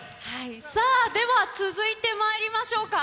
さあ、では、続いてまいりましょうか。